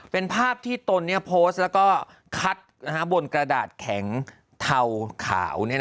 เป็นภาพที่ตนโพสต์แล้วก็คัดบนกระดาษแข็งเทาขาว